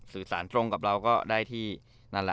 สื่อสารตรงกับเราก็ได้ที่นั่นแหละ